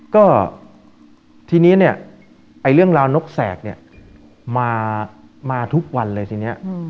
ก็ทีนี้เนี่ยไอ้เรื่องราวนกแสกเนี่ยมาทุกวันเลยทีนี้